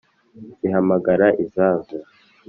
zihamagara izazo,